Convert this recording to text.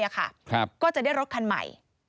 ก็จะได้รถคันใหม่